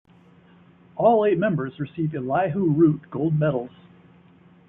All eight members receive Elihu Root gold medals.